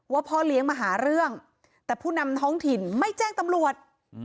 พ่อเลี้ยงมาหาเรื่องแต่ผู้นำท้องถิ่นไม่แจ้งตำรวจ